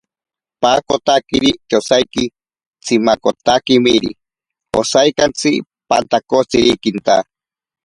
Paakotakiri te osaiki tsimakotakimiri, osaikatsi pantakotsirikinta.